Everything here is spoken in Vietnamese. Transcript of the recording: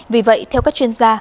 vì vậy theo các chuyên gia